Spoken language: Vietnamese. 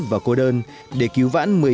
và cô đơn để cứu vãn